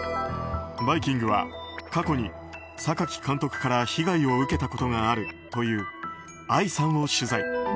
「バイキング」は過去に榊監督から被害を受けたことがあるというＩさんを取材。